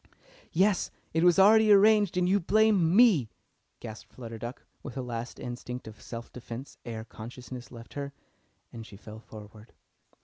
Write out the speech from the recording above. "Yes, it was already arranged, and you blamed me!" gasped Flutter Duck, with a last instinct of self defence ere consciousness left her, and she fell forward.